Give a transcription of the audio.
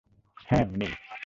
হ্যাঁ, উনি- ই।